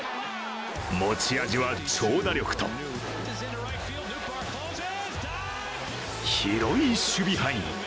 持ち味は長打力と広い守備範囲。